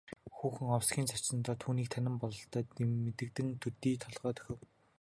Хүүхэн овсхийн цочсоноо түүнийг танив бололтой мэдэгдэм төдий толгой дохив.